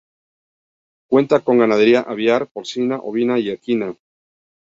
Cuenta con ganadería aviar, porcina, ovina y equina.